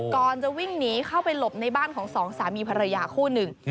ก่อนจะวิ่งหนีเข้าไปหลบในบ้านของสองสามีภรรยาคู่หนึ่ง